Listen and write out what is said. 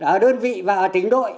ở đơn vị và ở tỉnh đội